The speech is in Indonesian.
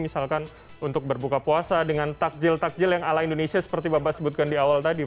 misalkan untuk berbuka puasa dengan takjil takjil yang ala indonesia seperti bapak sebutkan di awal tadi